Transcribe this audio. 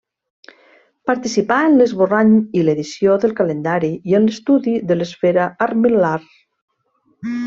Participà en l'esborrany i l'edició del calendari i en l'estudi de l'esfera armil·lar.